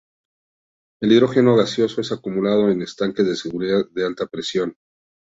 El hidrógeno gaseoso es acumulado en estanques de seguridad a alta presión.